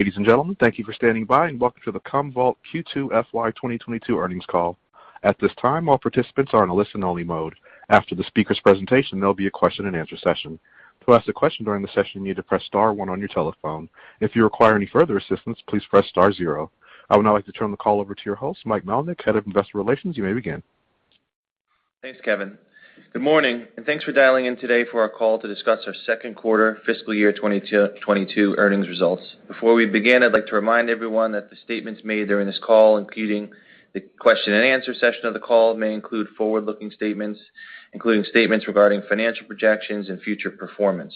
Ladies and gentlemen, thank you for standing by, and welcome to the Commvault Q2 FY 2022 earnings call. At this time, all participants are in a listen-only mode. After the speaker's presentation, there'll be a question and answer session. To ask a question during the session, you need to press star one on your telephone. If you require any further assistance, please press star zero. I would now like to turn the call over to your host, Michael Melnyk, Head of Investor Relations. You may begin. Thanks, Kevin. Good morning, and thanks for dialing in today for our call to discuss our second quarter fiscal year 2022 earnings results. Before we begin, I'd like to remind everyone that the statements made during this call, including the question and answer session of the call, may include forward-looking statements, including statements regarding financial projections and future performance.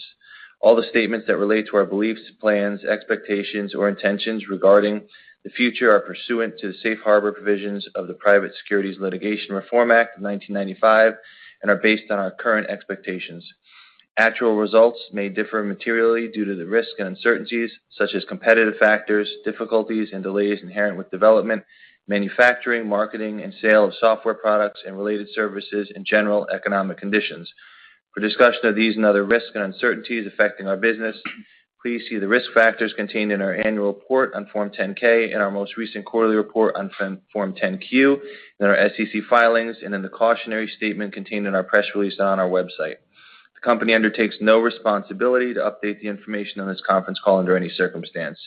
All the statements that relate to our beliefs, plans, expectations, or intentions regarding the future are pursuant to the safe harbor provisions of the Private Securities Litigation Reform Act of 1995 and are based on our current expectations. Actual results may differ materially due to the risks and uncertainties such as competitive factors, difficulties, and delays inherent with development, manufacturing, marketing, and sale of software products and related services and general economic conditions. For discussion of these and other risks and uncertainties affecting our business, please see the risk factors contained in our annual report on Form 10-K and our most recent quarterly report on Form 10-Q and our SEC filings and in the cautionary statement contained in our press release on our website. The company undertakes no responsibility to update the information on this conference call under any circumstance.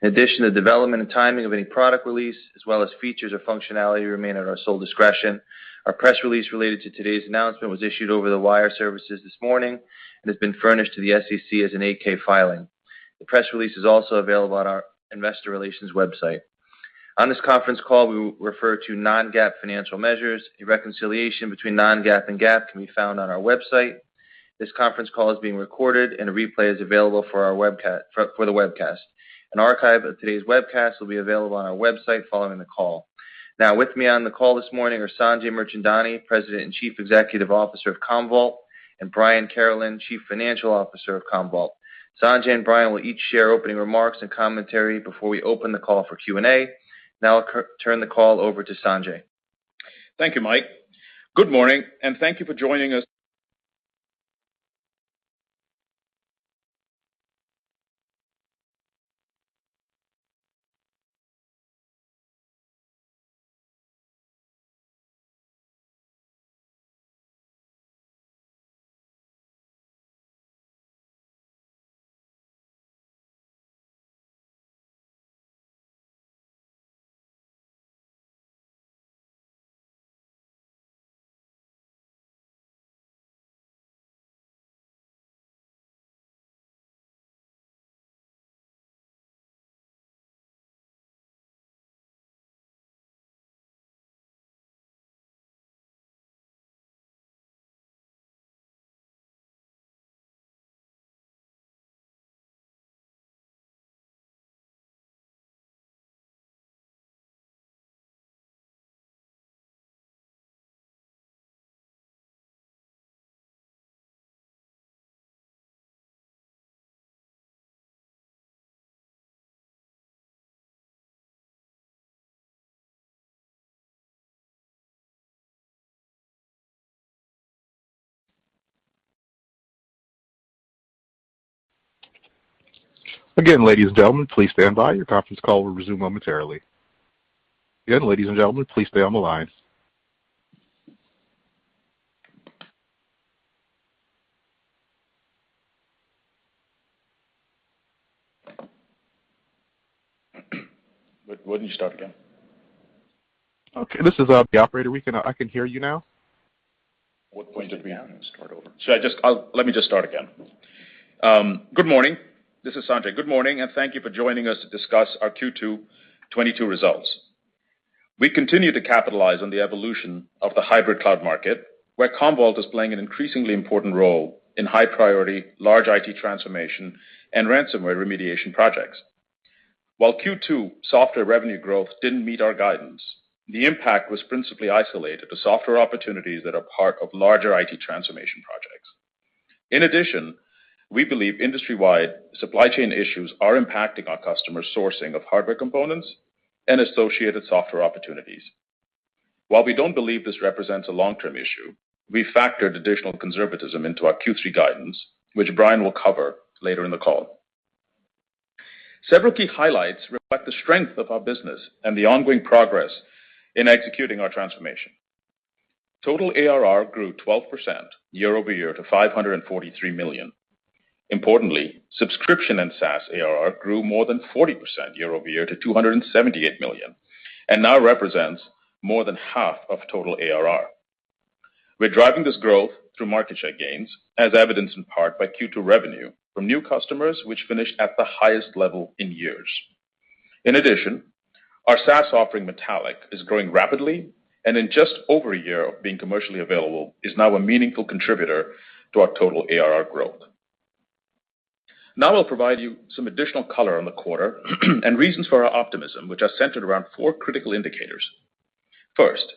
In addition, the development and timing of any product release as well as features or functionality remain at our sole discretion. Our press release related to today's announcement was issued over the wire services this morning and has been furnished to the SEC as an 8-K filing. The press release is also available on our investor relations website. On this conference call, we will refer to non-GAAP financial measures. A reconciliation between non-GAAP and GAAP can be found on our website. This conference call is being recorded and a replay is available for our webcast. An archive of today's webcast will be available on our website following the call. Now with me on the call this morning are Sanjay Mirchandani, President and Chief Executive Officer of Commvault, and Brian Carolan, Chief Financial Officer of Commvault. Sanjay and Brian will each share opening remarks and commentary before we open the call for Q&A. Now I'll turn the call over to Sanjay. Thank you, Mike. Good morning, and thank you for joining us. Again, ladies and gentlemen, please stand by. Your conference call will resume momentarily. Again, ladies and gentlemen, please stay on the line. Wait. Why don't you start again? Okay, this is the operator speaking. I can hear you now. Good morning. This is Sanjay. Good morning, and thank you for joining us to discuss our Q2 2022 results. We continue to capitalize on the evolution of the hybrid cloud market, where Commvault is playing an increasingly important role in high priority, large IT transformation and ransomware remediation projects. While Q2 software revenue growth didn't meet our guidance, the impact was principally isolated to software opportunities that are part of larger IT transformation projects. In addition, we believe industry-wide supply chain issues are impacting our customer sourcing of hardware components and associated software opportunities. While we don't believe this represents a long-term issue, we factored additional conservatism into our Q3 guidance, which Brian will cover later in the call. Several key highlights reflect the strength of our business and the ongoing progress in executing our transformation. Total ARR grew 12% year-over-year to $543 million. Importantly, subscription and SaaS ARR grew more than 40% year-over-year to $278 million and now represents more than half of total ARR. We're driving this growth through market share gains as evidenced in part by Q2 revenue from new customers which finished at the highest level in years. In addition, our SaaS offering, Metallic, is growing rapidly and in just over a year of being commercially available, is now a meaningful contributor to our total ARR growth. Now I'll provide you some additional color on the quarter and reasons for our optimism, which are centered around four critical indicators. First,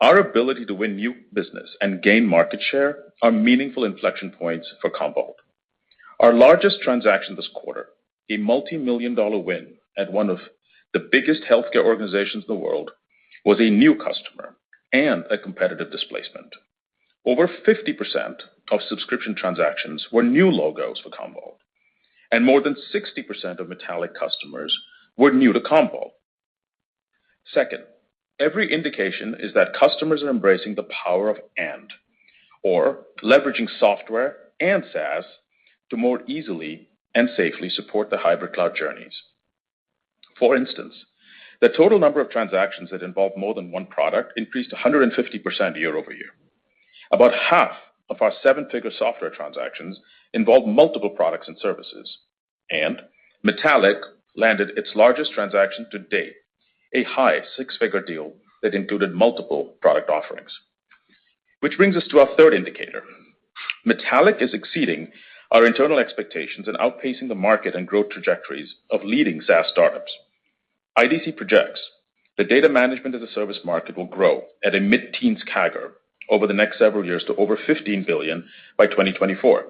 our ability to win new business and gain market share are meaningful inflection points for Commvault. Our largest transaction this quarter, a $ multimillion-dollar win at one of the biggest healthcare organizations in the world, was a new customer and a competitive displacement. Over 50% of subscription transactions were new logos for Commvault, and more than 60% of Metallic customers were new to Commvault. Second, every indication is that customers are embracing the power of and, or leveraging software and SaaS to more easily and safely support the hybrid cloud journeys. For instance, the total number of transactions that involve more than one product increased 150% year-over-year. About half of our seven-figure software transactions involve multiple products and services, and Metallic landed its largest transaction to date, a high six-figure deal that included multiple product offerings. Which brings us to our third indicator. Metallic is exceeding our internal expectations and outpacing the market and growth trajectories of leading SaaS startups. IDC projects the data management as a service market will grow at a mid-teens CAGR over the next several years to over $15 billion by 2024.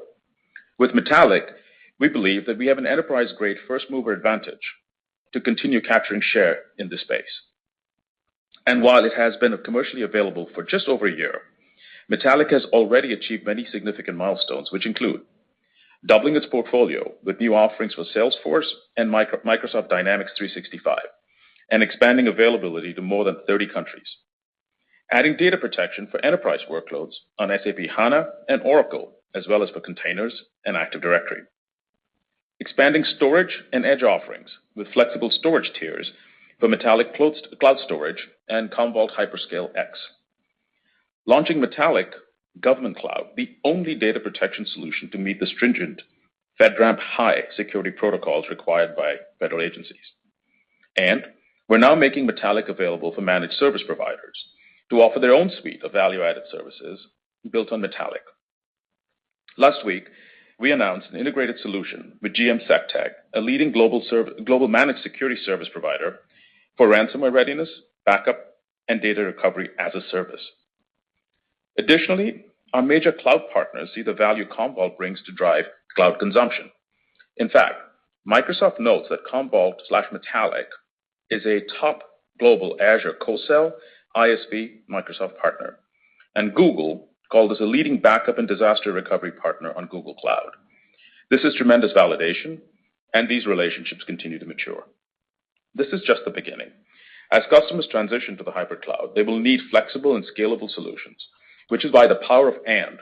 With Metallic, we believe that we have an enterprise-grade first-mover advantage to continue capturing share in this space. While it has been commercially available for just over a year, Metallic has already achieved many significant milestones, which include doubling its portfolio with new offerings for Salesforce and Microsoft Dynamics 365, and expanding availability to more than 30 countries, adding data protection for enterprise workloads on SAP HANA and Oracle, as well as for containers and Active Directory, expanding storage and edge offerings with flexible storage tiers for Metallic Cloud Storage and Commvault HyperScale X. Launching Metallic Government Cloud, the only data protection solution to meet the stringent FedRAMP High security protocols required by federal agencies. We're now making Metallic available for managed service providers to offer their own suite of value-added services built on Metallic. Last week, we announced an integrated solution with GM Sectec, a leading global managed security service provider for ransomware readiness, backup, and data recovery as a service. Additionally, our major cloud partners see the value Commvault brings to drive cloud consumption. In fact, Microsoft notes that Commvault/Metallic is a top global Azure co-sell ISV Microsoft partner, and Google called us a leading backup and disaster recovery partner on Google Cloud. This is tremendous validation, and these relationships continue to mature. This is just the beginning. As customers transition to the hybrid cloud, they will need flexible and scalable solutions, which is why the power of AND,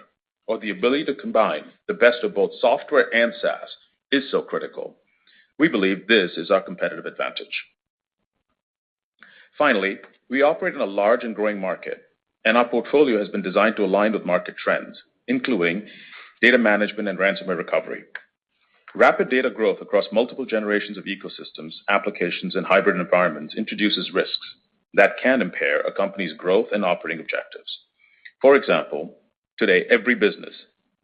or the ability to combine the best of both software and SaaS is so critical. We believe this is our competitive advantage. Finally, we operate in a large and growing market, and our portfolio has been designed to align with market trends, including data management and ransomware recovery. Rapid data growth across multiple generations of ecosystems, applications, and hybrid environments introduces risks that can impair a company's growth and operating objectives. For example, today every business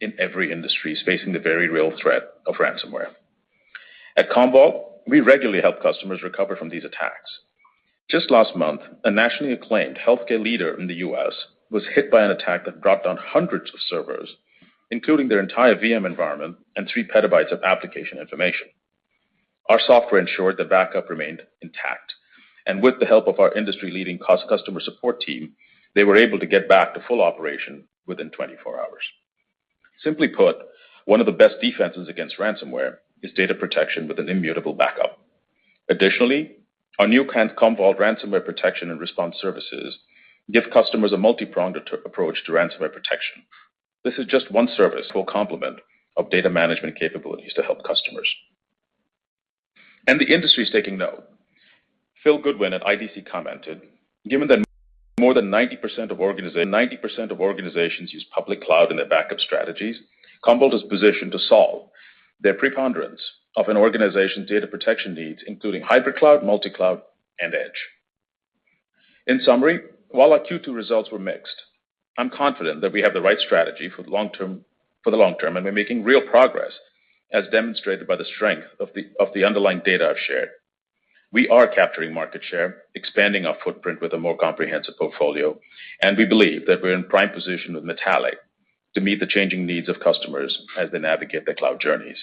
in every industry is facing the very real threat of ransomware. At Commvault, we regularly help customers recover from these attacks. Just last month, a nationally acclaimed healthcare leader in the U.S. was hit by an attack that brought down hundreds of servers, including their entire VM environment and 3 PB of application information. Our software ensured the backup remained intact, and with the help of our industry-leading customer support team, they were able to get back to full operation within 24 hours. Simply put, one of the best defenses against ransomware is data protection with an immutable backup. Additionally, our new Commvault ransomware protection and response services give customers a multipronged approach to ransomware protection. This is just one service for a complement of data management capabilities to help customers. The industry is taking note. Phil Goodwin at IDC commented, "Given that more than 90% of organizations use public cloud in their backup strategies, Commvault is positioned to solve the preponderance of an organization's data protection needs, including hybrid cloud, multi-cloud, and edge." In summary, while our Q2 results were mixed, I'm confident that we have the right strategy for the long term, and we're making real progress, as demonstrated by the strength of the underlying data I've shared. We are capturing market share, expanding our footprint with a more comprehensive portfolio, and we believe that we're in prime position with Metallic to meet the changing needs of customers as they navigate their cloud journeys.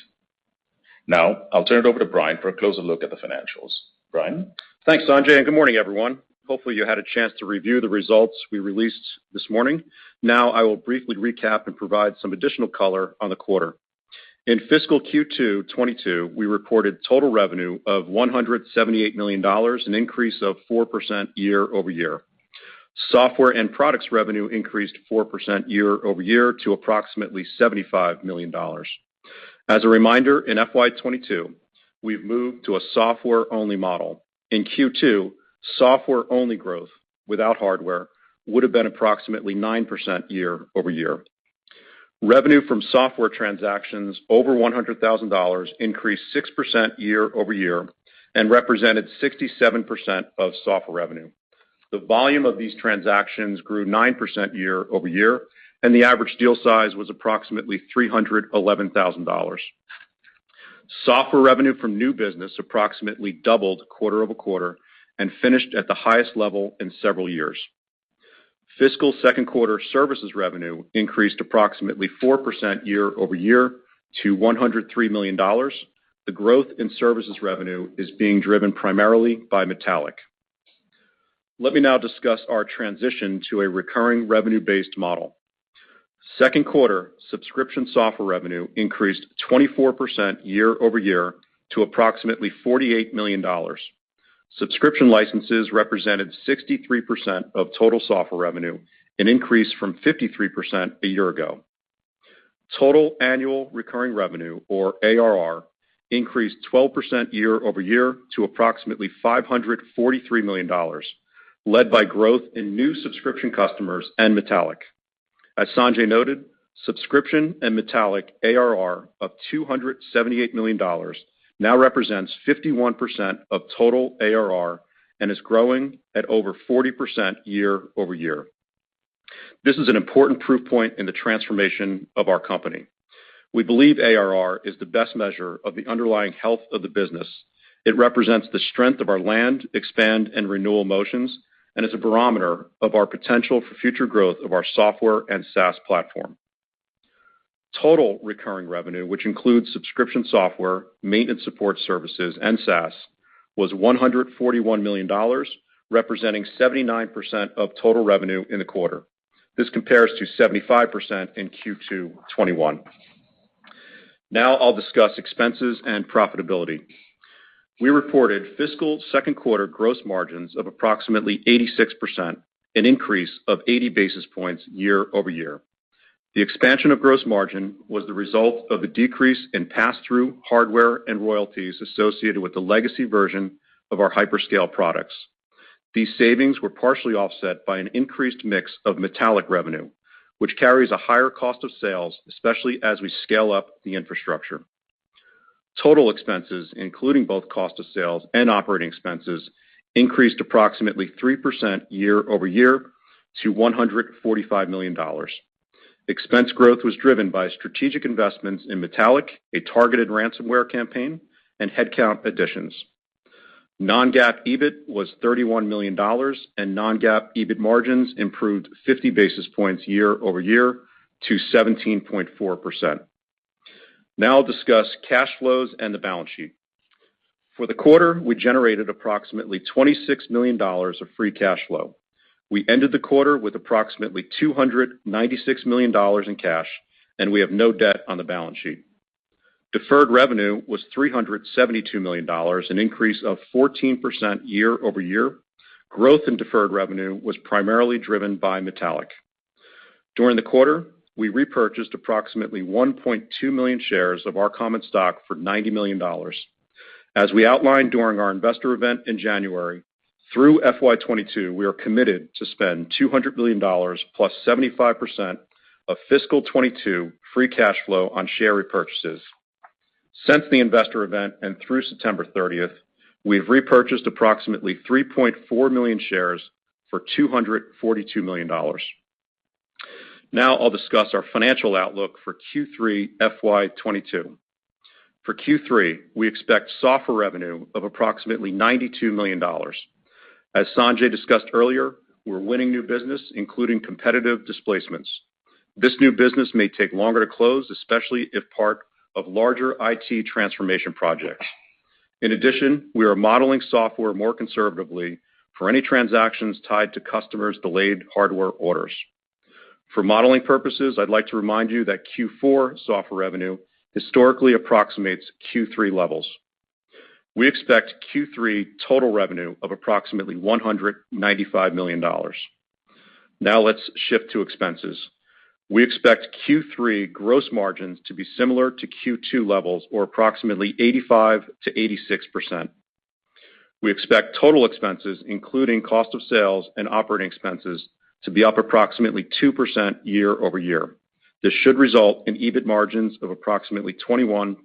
Now, I'll turn it over to Brian for a closer look at the financials. Brian? Thanks, Sanjay, and good morning, everyone. Hopefully, you had a chance to review the results we released this morning. Now I will briefly recap and provide some additional color on the quarter. In fiscal Q2 2022, we reported total revenue of $178 million, an increase of 4% year-over-year. Software and products revenue increased 4% year-over-year to approximately $75 million. As a reminder, in FY 2022, we've moved to a software-only model. In Q2, software-only growth without hardware would have been approximately 9% year-over-year. Revenue from software transactions over $100,000 increased 6% year-over-year and represented 67% of software revenue. The volume of these transactions grew 9% year-over-year, and the average deal size was approximately $311,000. Software revenue from new business approximately doubled quarter-over-quarter and finished at the highest level in several years. Fiscal second quarter services revenue increased approximately 4% year-over-year to $103 million. The growth in services revenue is being driven primarily by Metallic. Let me now discuss our transition to a recurring revenue-based model. Second quarter subscription software revenue increased 24% year-over-year to approximately $48 million. Subscription licenses represented 63% of total software revenue, an increase from 53% a year ago. Total annual recurring revenue, or ARR, increased 12% year-over-year to approximately $543 million, led by growth in new subscription customers and Metallic. As Sanjay noted, subscription and Metallic ARR of $278 million now represents 51% of total ARR and is growing at over 40% year-over-year. This is an important proof point in the transformation of our company. We believe ARR is the best measure of the underlying health of the business. It represents the strength of our land, expand, and renewal motions, and is a barometer of our potential for future growth of our software and SaaS platform. Total recurring revenue, which includes subscription software, maintenance support services, and SaaS, was $141 million, representing 79% of total revenue in the quarter. This compares to 75% in Q2 2021. Now I'll discuss expenses and profitability. We reported fiscal second quarter gross margins of approximately 86%, an increase of 80 basis points year-over-year. The expansion of gross margin was the result of a decrease in pass-through hardware and royalties associated with the legacy version of our hyperscale products. These savings were partially offset by an increased mix of Metallic revenue, which carries a higher cost of sales, especially as we scale up the infrastructure. Total expenses, including both cost of sales and operating expenses, increased approximately 3% year-over-year to $145 million. Expense growth was driven by strategic investments in Metallic, a targeted ransomware campaign, and headcount additions. Non-GAAP EBIT was $31 million, and non-GAAP EBIT margins improved 50 basis points year-over-year to 17.4%. Now I'll discuss cash flows and the balance sheet. For the quarter, we generated approximately $26 million of free cash flow. We ended the quarter with approximately $296 million in cash, and we have no debt on the balance sheet. Deferred revenue was $372 million, an increase of 14% year-over-year. Growth in deferred revenue was primarily driven by Metallic. During the quarter, we repurchased approximately 1.2 million shares of our common stock for $90 million. As we outlined during our investor event in January, through FY 2022, we are committed to spend $200 million plus 75% of fiscal 2022 free cash flow on share repurchases. Since the investor event and through September thirtieth, we have repurchased approximately 3.4 million shares for $242 million. Now I'll discuss our financial outlook for Q3 FY 2022. For Q3, we expect software revenue of approximately $92 million. As Sanjay discussed earlier, we're winning new business, including competitive displacements. This new business may take longer to close, especially if part of larger IT transformation projects. In addition, we are modeling software more conservatively for any transactions tied to customers' delayed hardware orders. For modeling purposes, I'd like to remind you that Q4 software revenue historically approximates Q3 levels. We expect Q3 total revenue of approximately $195 million. Now let's shift to expenses. We expect Q3 gross margins to be similar to Q2 levels or approximately 85%-86%. We expect total expenses, including cost of sales and operating expenses, to be up approximately 2% year over year. This should result in EBIT margins of approximately 21%-22%.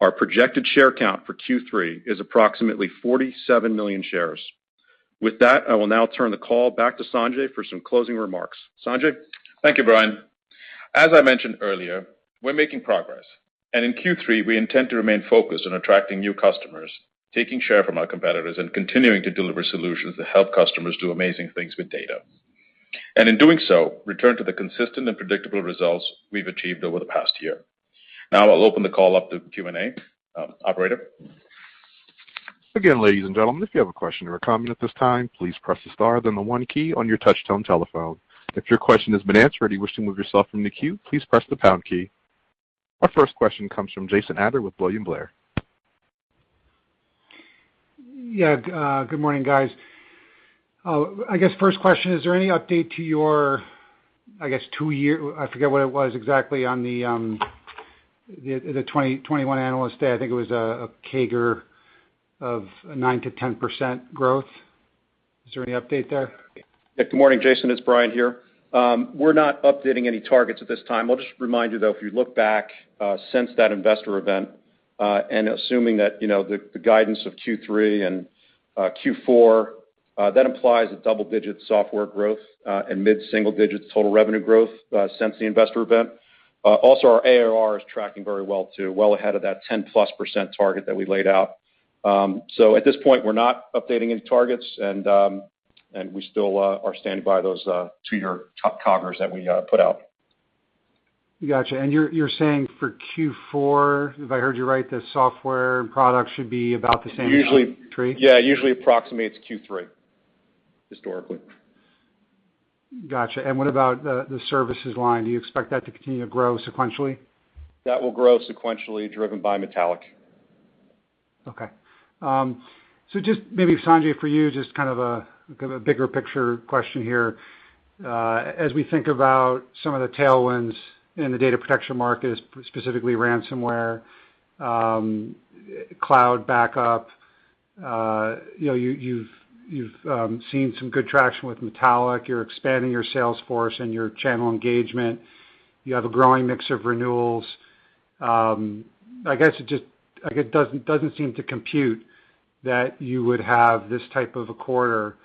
Our projected share count for Q3 is approximately 47 million shares. With that, I will now turn the call back to Sanjay for some closing remarks. Sanjay? Thank you, Brian. As I mentioned earlier, we're making progress, and in Q3, we intend to remain focused on attracting new customers, taking share from our competitors, and continuing to deliver solutions that help customers do amazing things with data. In doing so, return to the consistent and predictable results we've achieved over the past year. Now I'll open the call up to Q&A. Operator? Our first question comes from Jason Ader with William Blair. Yeah, good morning, guys. I guess first question, is there any update to your, I guess, two-year, I forget what it was exactly, on the 2020-2021 Analyst Day? I think it was a CAGR of 9%-10% growth. Is there any update there? Yeah. Good morning, Jason. It's Brian here. We're not updating any targets at this time. I'll just remind you, though, if you look back since that investor event and assuming that, you know, the guidance of Q3 and Q4, that implies a double-digit software growth and mid-single digit total revenue growth since the investor event. Also, our ARR is tracking very well too, well ahead of that 10%+ target that we laid out. At this point, we're not updating any targets, and we still are standing by those two-year CAGR that we put out. You gotcha. You're saying for Q4, if I heard you right, the software and products should be about the same as Q3? Usually, yeah, it usually approximates Q3 historically. Gotcha. What about the services line? Do you expect that to continue to grow sequentially? That will grow sequentially driven by Metallic. Okay. Just maybe Sanjay, for you, just kind of a bigger picture question here. As we think about some of the tailwinds in the data protection market, specifically ransomware, cloud backup, you know, you've seen some good traction with Metallic. You're expanding your sales force and your channel engagement. You have a growing mix of renewals. I guess it just like, it doesn't seem to compute that you would have this type of a quarter,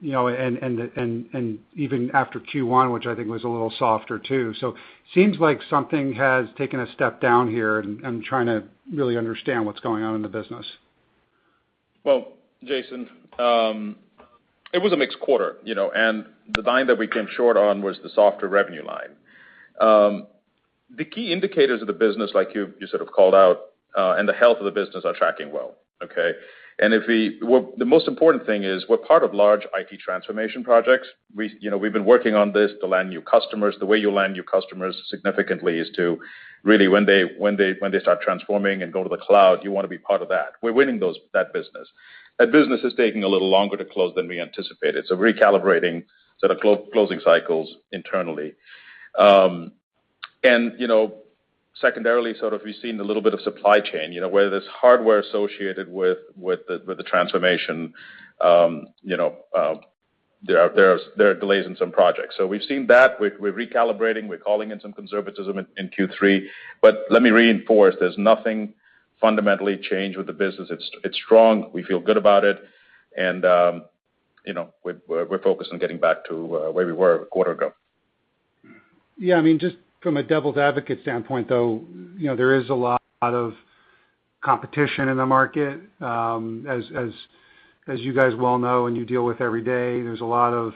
you know, and even after Q1, which I think was a little softer too. Seems like something has taken a step down here. I'm trying to really understand what's going on in the business. Well, Jason, it was a mixed quarter, you know, and the line that we came short on was the softer revenue line. The key indicators of the business, like you sort of called out, and the health of the business are tracking well, okay? The most important thing is we're part of large IT transformation projects. We, you know, we've been working on this to land new customers. The way you land new customers significantly is to really when they start transforming and go to the cloud, you wanna be part of that. We're winning that business. That business is taking a little longer to close than we anticipated, so recalibrating sort of closing cycles internally. You know, secondarily, sort of we've seen a little bit of supply chain, you know, where there's hardware associated with the transformation. You know, there are delays in some projects. We've seen that. We're recalibrating. We're calling in some conservatism in Q3. Let me reinforce, there's nothing fundamentally changed with the business. It's strong. We feel good about it. You know, we're focused on getting back to where we were a quarter ago. Yeah. I mean, just from a devil's advocate standpoint, though, you know, there is a lot of competition in the market, as you guys well know and you deal with every day. There's a lot of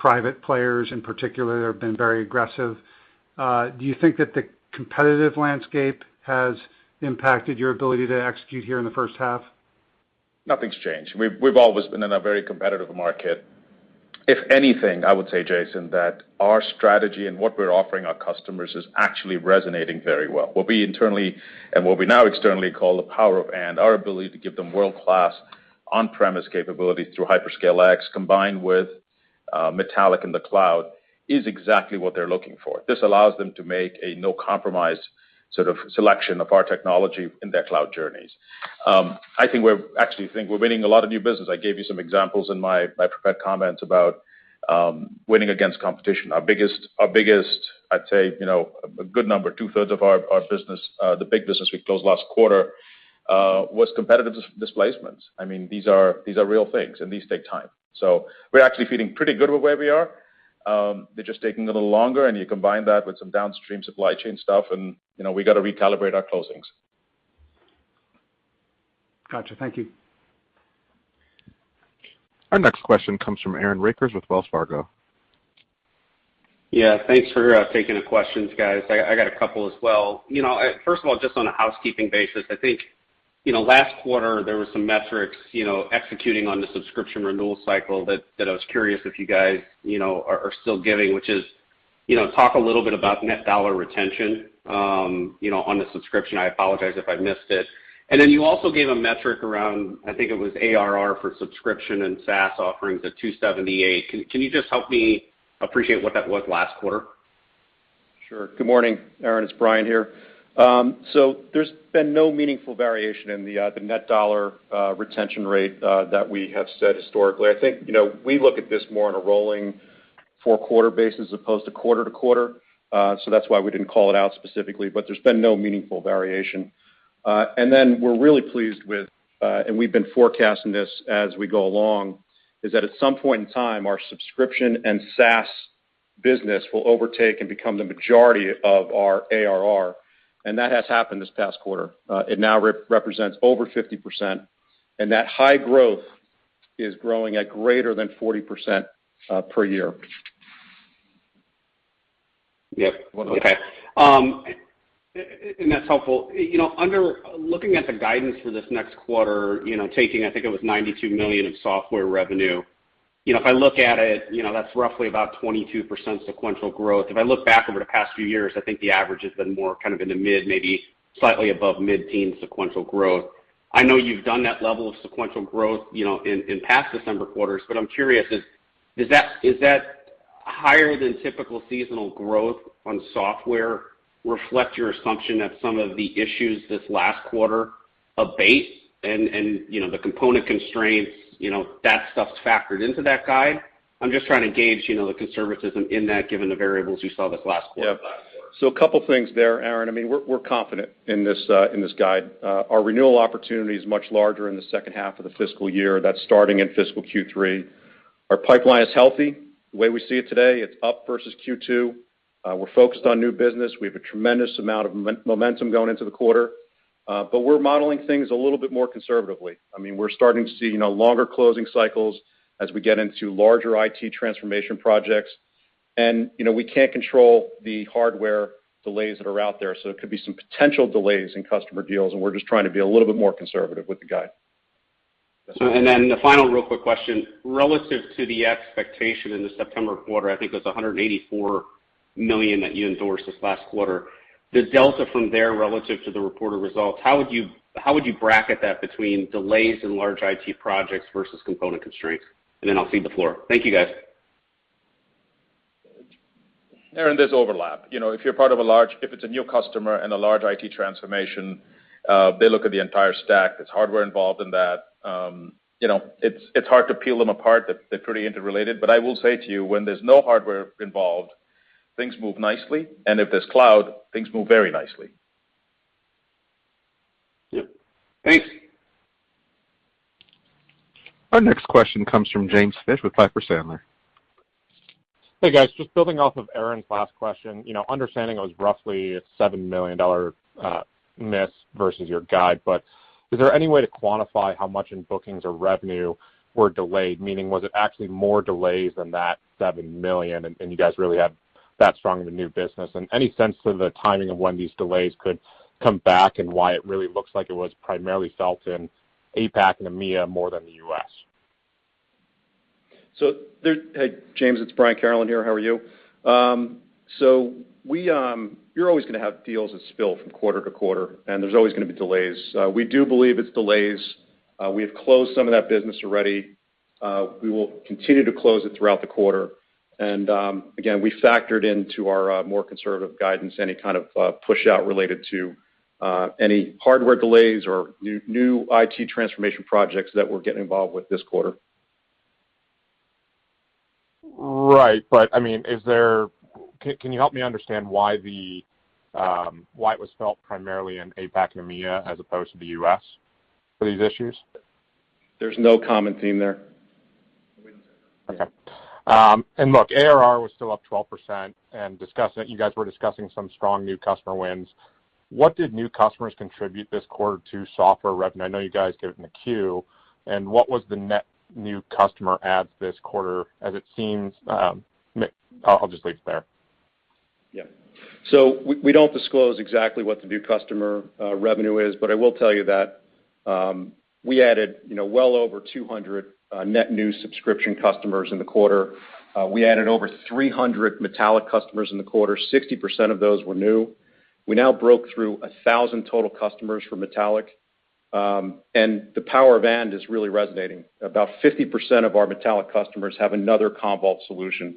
private players in particular that have been very aggressive. Do you think that the competitive landscape has impacted your ability to execute here in the first half? Nothing's changed. We've always been in a very competitive market. If anything, I would say, Jason, that our strategy and what we're offering our customers is actually resonating very well. What we internally and what we now externally call the power of AND, our ability to give them world-class on-premise capabilities through HyperScale X combined with Metallic in the cloud is exactly what they're looking for. This allows them to make a no compromise sort of selection of our technology in their cloud journeys. I actually think we're winning a lot of new business. I gave you some examples in my prepared comments about winning against competition. Our biggest, I'd say, you know, a good number, two-thirds of our business, the big business we closed last quarter, was competitive displacement. I mean, these are real things, and these take time. We're actually feeling pretty good with where we are. They're just taking a little longer, and you combine that with some downstream supply chain stuff, and, you know, we gotta recalibrate our closings. Gotcha. Thank you. Our next question comes from Aaron Rakers with Wells Fargo. Yeah. Thanks for taking the questions, guys. I got a couple as well. You know, first of all, just on a housekeeping basis, I think, you know, last quarter, there were some metrics, you know, executing on the subscription renewal cycle that I was curious if you guys, you know, are still giving, which is, you know, talk a little bit about net dollar retention, you know, on the subscription. I apologize if I missed it. Then you also gave a metric around, I think it was ARR for subscription and SaaS offerings at 278. Can you just help me appreciate what that was last quarter? Sure. Good morning, Aaron. It's Brian here. So there's been no meaningful variation in the net dollar retention rate that we have set historically. I think, you know, we look at this more on a rolling four-quarter basis as opposed to quarter to quarter, so that's why we didn't call it out specifically, but there's been no meaningful variation. We're really pleased with, and we've been forecasting this as we go along, is that at some point in time, our subscription and SaaS business will overtake and become the majority of our ARR, and that has happened this past quarter. It now represents over 50%, and that high growth is growing at greater than 40% per year. Yep. Okay. That's helpful. You know, looking at the guidance for this next quarter, you know, taking I think it was $92 million of software revenue, you know, if I look at it, you know, that's roughly about 22% sequential growth. If I look back over the past few years, I think the average has been more kind of in the mid, maybe slightly above mid-teens sequential growth. I know you've done that level of sequential growth, you know, in past December quarters, but I'm curious, is that higher than typical seasonal growth on software? Does that reflect your assumption that some of the issues this last quarter abate and the component constraints, you know, that stuff's factored into that guide? I'm just trying to gauge, you know, the conservatism in that given the variables you saw this last quarter. Yeah. A couple things there, Aaron. I mean, we're confident in this guide. Our renewal opportunity is much larger in the second half of the fiscal year. That's starting in fiscal Q3. Our pipeline is healthy. The way we see it today, it's up versus Q2. We're focused on new business. We have a tremendous amount of momentum going into the quarter. We're modeling things a little bit more conservatively. I mean, we're starting to see longer closing cycles as we get into larger IT transformation projects. You know, we can't control the hardware delays that are out there. There could be some potential delays in customer deals, and we're just trying to be a little bit more conservative with the guide. The final real quick question, relative to the expectation in the September quarter, I think it was $184 million that you endorsed this last quarter. The delta from there relative to the reported results, how would you bracket that between delays in large IT projects versus component constraints? I'll cede the floor. Thank you, guys. Aaron, there's overlap. You know, if it's a new customer and a large IT transformation, they look at the entire stack. There's hardware involved in that. You know, it's hard to peel them apart. They're pretty interrelated. I will say to you, when there's no hardware involved, things move nicely. If there's cloud, things move very nicely. Yep. Thanks. Our next question comes from James Fish with Piper Sandler. Hey, guys, just building off of Aaron's last question, you know, understanding it was roughly a $7 million miss versus your guide, but is there any way to quantify how much in bookings or revenue were delayed? Meaning, was it actually more delays than that $7 million, and you guys really have that strong of a new business? And any sense of the timing of when these delays could come back and why it really looks like it was primarily felt in APAC and EMEA more than the U.S.? Hey, James, it's Brian Carolan here. How are you? We, you're always going to have deals that spill from quarter to quarter, and there's always going to be delays. We do believe it's delays. We have closed some of that business already. We will continue to close it throughout the quarter. Again, we factored into our more conservative guidance, any kind of push out related to any hardware delays or new IT transformation projects that we're getting involved with this quarter. Right. I mean, can you help me understand why it was felt primarily in APAC and EMEA as opposed to the U.S. for these issues? There's no common theme there. Okay. Look, ARR was still up 12%, and you guys were discussing some strong new customer wins. What did new customers contribute this quarter to software revenue? I know you guys gave it in the Q. What was the net new customer adds this quarter as it seems? I'll just leave it there. Yeah. We don't disclose exactly what the new customer revenue is, but I will tell you that we added, you know, well over 200 net new subscription customers in the quarter. We added over 300 Metallic customers in the quarter. 60% of those were new. We now broke through 1,000 total customers from Metallic. The power of AND is really resonating. About 50% of our Metallic customers have another Commvault solution.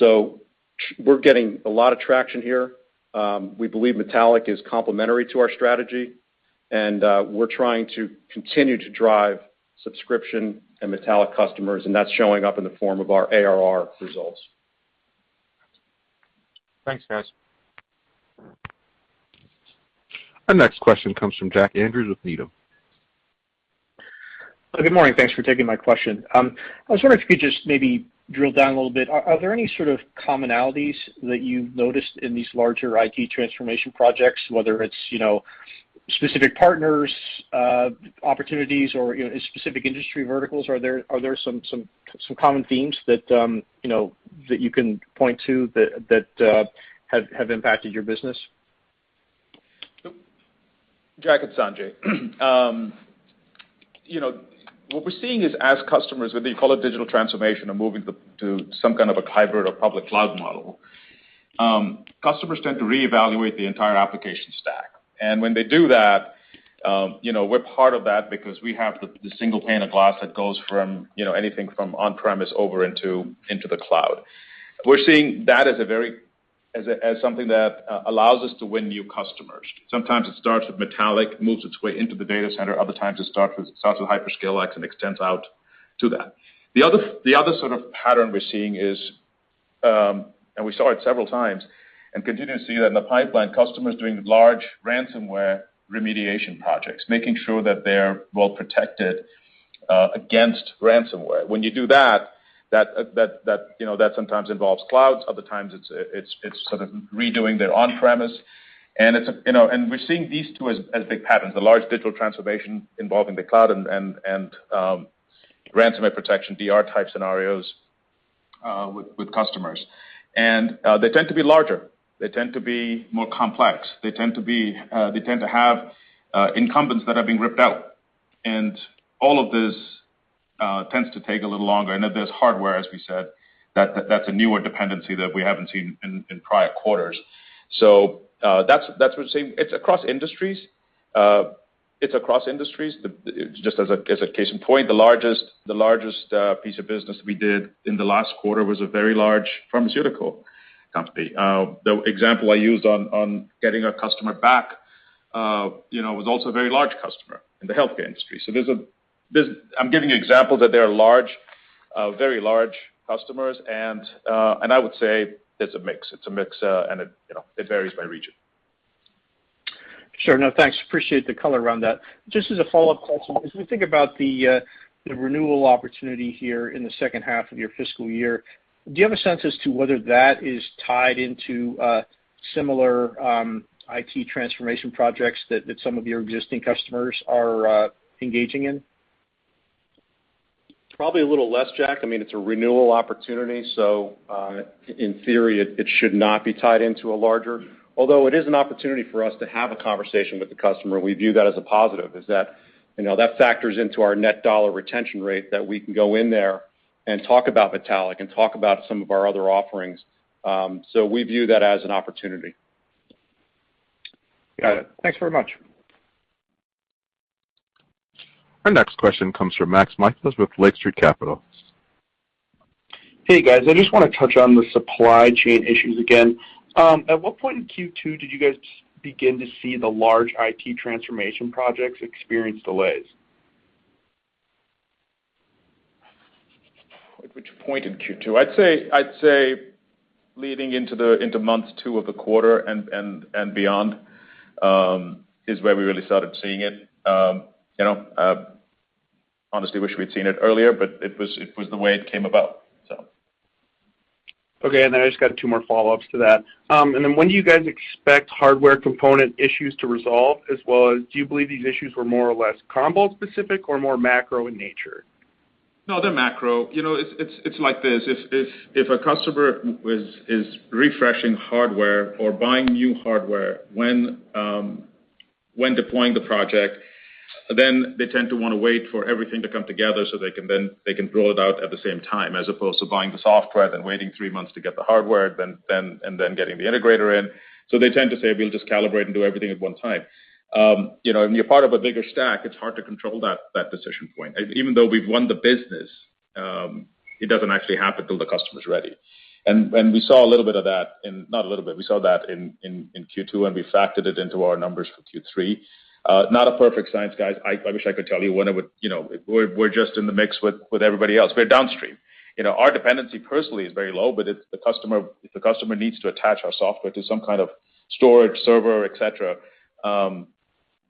We're getting a lot of traction here. We believe Metallic is complementary to our strategy, and we're trying to continue to drive subscription and Metallic customers, and that's showing up in the form of our ARR results. Thanks, guys. Our next question comes from Jack Andrews with Needham. Good morning. Thanks for taking my question. I was wondering if you could just maybe drill down a little bit. Are there any sort of commonalities that you've noticed in these larger IT transformation projects, whether it's, you know, specific partners, opportunities or, you know, specific industry verticals? Are there some common themes that, you know, that you can point to that have impacted your business? Jack, it's Sanjay. You know, what we're seeing is as customers, whether you call it digital transformation or moving to some kind of a hybrid or public cloud model, customers tend to reevaluate the entire application stack. When they do that, you know, we're part of that because we have the single pane of glass that goes from, you know, anything from on-premises over into the cloud. We're seeing that as something that allows us to win new customers. Sometimes it starts with Metallic, moves its way into the data center. Other times, it starts with HyperScale X and extends out to that. The other sort of pattern we're seeing is, and we saw it several times and continue to see that in the pipeline, customers doing large ransomware remediation projects, making sure that they're well protected against ransomware. When you do that, you know that sometimes involves clouds. Other times it's sort of redoing their on-premise. We're seeing these two as big patterns, the large digital transformation involving the cloud and ransomware protection, DR-type scenarios with customers. They tend to be larger. They tend to be more complex. They tend to have incumbents that are being ripped out. All of this tends to take a little longer. There's hardware, as we said, that's a newer dependency that we haven't seen in prior quarters. That's what we're seeing. It's across industries. Just as a case in point, the largest piece of business we did in the last quarter was a very large pharmaceutical company. The example I used on getting a customer back, you know, was also a very large customer in the healthcare industry. I'm giving you examples that they are large, very large customers. I would say it's a mix. It's a mix, and it varies by region. Sure. No, thanks. Appreciate the color around that. Just as a follow-up question, as we think about the renewal opportunity here in the second half of your fiscal year, do you have a sense as to whether that is tied into similar IT transformation projects that some of your existing customers are engaging in? It's probably a little less, Jack. I mean, it's a renewal opportunity, so in theory, it should not be tied into a larger. Although it is an opportunity for us to have a conversation with the customer, and we view that as a positive, you know, that factors into our net dollar retention rate that we can go in there and talk about Metallic and talk about some of our other offerings. We view that as an opportunity. Got it. Thanks very much. Our next question comes from Max Michaelis with Lake Street Capital. Hey, guys. I just wanna touch on the supply chain issues again. At what point in Q2 did you guys begin to see the large IT transformation projects experience delays? At which point in Q2? I'd say leading into month two of the quarter and beyond is where we really started seeing it. You know, I honestly wish we'd seen it earlier, but it was the way it came about, so. Okay. I just got two more follow-ups to that. When do you guys expect hardware component issues to resolve? As well as do you believe these issues were more or less Commvault specific or more macro in nature? No, they're macro. You know, it's like this, if a customer is refreshing hardware or buying new hardware when deploying the project, then they tend to wanna wait for everything to come together, so they can roll it out at the same time as opposed to buying the software then waiting three months to get the hardware and then getting the integrator in. They tend to say, "We'll just calibrate and do everything at one time." You know, when you're part of a bigger stack, it's hard to control that decision point. Even though we've won the business, it doesn't actually happen till the customer's ready. We saw a little bit of that. Not a little bit. We saw that in Q2, and we factored it into our numbers for Q3. Not a perfect science, guys. I wish I could tell you when it would, you know. We're just in the mix with everybody else. We're downstream. You know, our dependency personally is very low, but if the customer needs to attach our software to some kind of storage server, et cetera,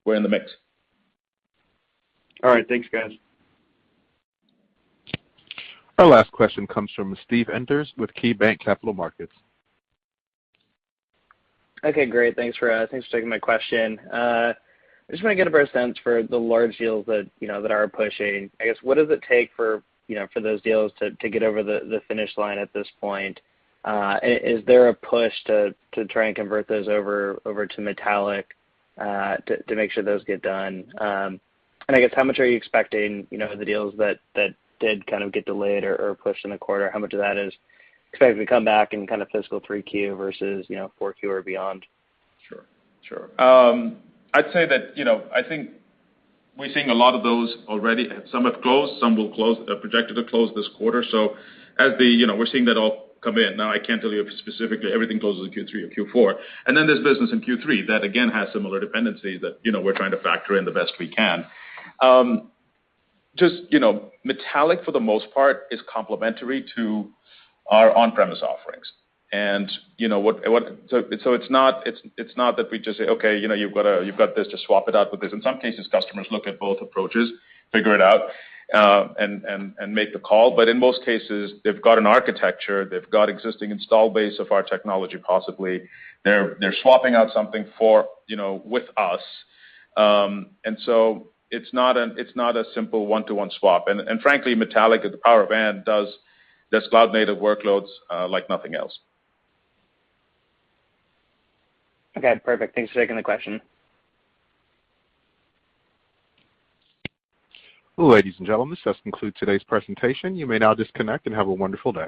we're in the mix. All right. Thanks, guys. Our last question comes from Steve Enders with KeyBanc Capital Markets. Okay, great. Thanks for taking my question. I just wanna get a better sense for the large deals that you know that are pushing. I guess what does it take for you know for those deals to get over the finish line at this point? And is there a push to try and convert those over to Metallic to make sure those get done? And I guess how much are you expecting you know the deals that did kind of get delayed or pushed in the quarter? How much of that is expected to come back in kind of fiscal 3Q versus you know 4Q or beyond? Sure. I'd say that, you know, I think we're seeing a lot of those already. Some have closed, some will close, projected to close this quarter. As the, you know, we're seeing that all come in. Now, I can't tell you specifically everything closes in Q3 or Q4. Then there's business in Q3 that again, has similar dependencies that, you know, we're trying to factor in the best we can. Just, you know, Metallic for the most part is complementary to our on-premises offerings. You know what it's not that we just say, "Okay, you know, you've got this to swap it out with this." In some cases, customers look at both approaches, figure it out, and make the call. In most cases, they've got an architecture. They've got existing install base of our technology possibly. They're swapping out something for, you know, with us. It's not a simple one-to-one swap. Frankly, Metallic at the power of AND does cloud native workloads like nothing else. Okay, perfect. Thanks for taking the question. Ladies and gentlemen, this does conclude today's presentation. You may now disconnect and have a wonderful day.